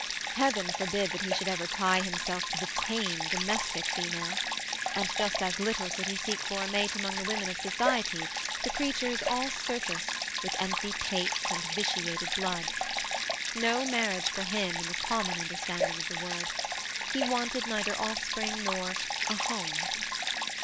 Heaven forbid that he should ever tie himself to the tame domestic female; and just as little could he seek for a mate among the women of society, the creatures all surface, with empty pates and vitiated blood. No marriage for him, in the common understanding of the word. He wanted neither offspring nor a "home".